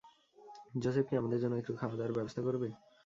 Joseph কি আমাদের জন্য একটু খাওয়াদাওয়ার ব্যবস্থা করবে?